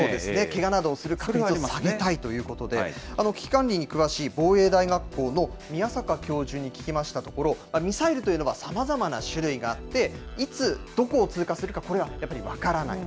けがなどをする確率を下げたいということで、危機管理に詳しい防衛大学校の宮坂教授に聞きましたところ、ミサイルというのは、さまざまな種類があって、いつどこを通過するか、これはやっぱり分からない。